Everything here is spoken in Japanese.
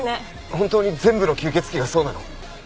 本当に全部の吸血鬼がそうなの？